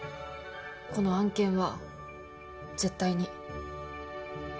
この案件は絶対に。